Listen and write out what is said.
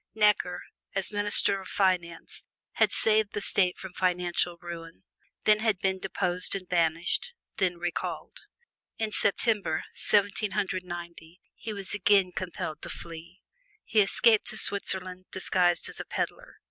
Necker, as Minister of Finance, had saved the State from financial ruin; then had been deposed and banished; then recalled. In September, Seventeen Hundred Ninety, he was again compelled to flee. He escaped to Switzerland, disguised as a pedler.